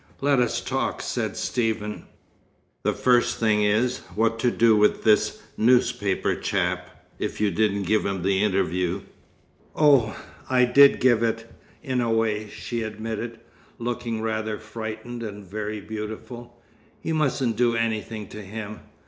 Let us talk," said Stephen. "The first thing is, what to do with this newspaper chap, if you didn't give him the interview " "Oh, I did give it in a way," she admitted, looking rather frightened, and very beautiful. "You mustn't do anything to him.